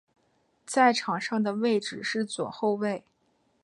在场上的位置是左后卫。